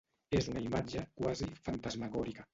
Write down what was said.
És una imatge quasi fantasmagòrica.